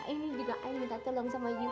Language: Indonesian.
ini juga i minta tolong sama you